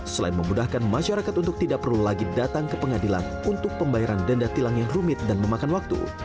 selain memudahkan masyarakat untuk tidak perlu lagi datang ke pengadilan untuk pembayaran denda tilang yang rumit dan memakan waktu